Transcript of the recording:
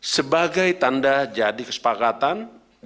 sebagai tanda jadi kesepakatan